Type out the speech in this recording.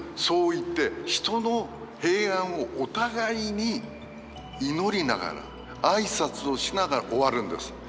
そう言って人の平安をお互いに祈りながら挨拶をしながら終わるんです。